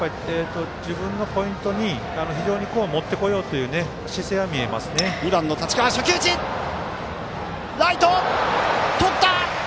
自分のポイントに非常に持ってこようというライトとった！